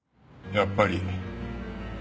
やっぱり？